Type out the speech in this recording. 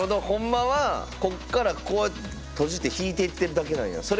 ほんまはこっからこう閉じて引いていってるだけなんや。